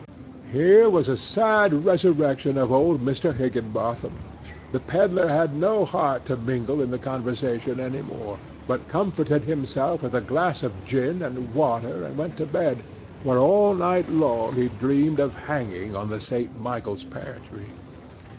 Here was a sad resurrection of old Mr. Higginbotham! The pedler had no heart to mingle in the conversation any more, but comforted himself with a glass of gin and water and went to bed, where all night long he dreamed of hanging on the St. Michael's pear tree.